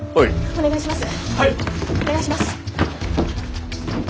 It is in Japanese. お願いします。